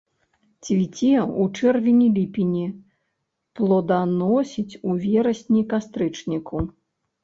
Цвіце ў чэрвені-ліпені, плоданасіць у верасні-кастрычніку.